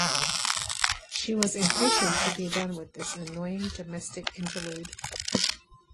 She was impatient to be done with this annoying domestic interlude.